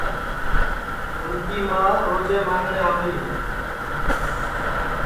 اُن کی ماں روجے مانٚگٹؔے آوڑی ہے